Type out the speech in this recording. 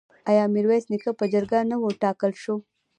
آیا میرویس نیکه په جرګه نه وټاکل شو؟